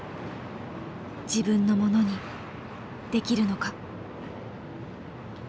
自分のものにできるのか。